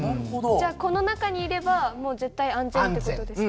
じゃあこの中にいればもう絶対安全って事ですか？